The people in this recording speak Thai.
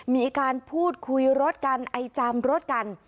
มีการพูดคุยรถกันไอจามรถกัน